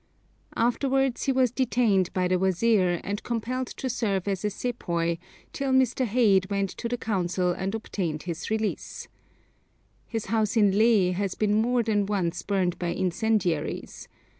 Afterwards he was detained by the wazir, and compelled to serve as a sepoy, till Mr. Heyde went to the council and obtained his release. His house in Leh has been more than once burned by incendiaries.